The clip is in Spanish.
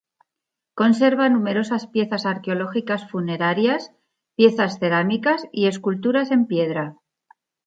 Conserva numerosas piezas arqueológicas funerarias, piezas cerámicas y esculturas en piedra.